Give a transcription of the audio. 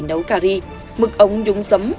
nấu cà ri mực ống dúng giấm